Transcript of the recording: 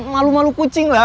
malu malu kucing lah